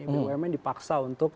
bumn dipaksa untuk